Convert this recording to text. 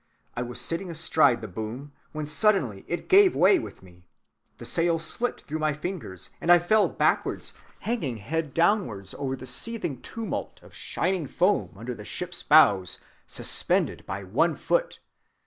I was sitting astride the boom when suddenly it gave way with me. The sail slipped through my fingers, and I fell backwards, hanging head downwards over the seething tumult of shining foam under the ship's bows, suspended by one foot.